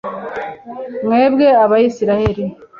mwebwe abayisraheli